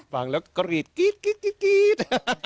ฟังแล้วก็หรีดกีดกีดกีดกีด